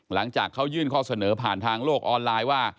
หลังจากเขายื่นข้อเสนอผ่านทางโลกออนไลน์ว่า